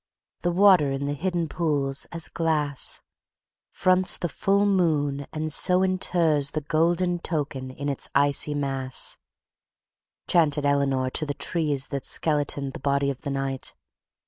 the water in the hidden pools, as glass, fronts the full moon and so inters the golden token in its icy mass," chanted Eleanor to the trees that skeletoned the body of the night.